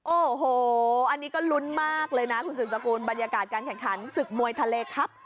โอ้โหอันนี้ก็ลุ้นมากเลยนะคุณสืบสกุลบรรยากาศการแข่งขันศึกมวยทะเลครับ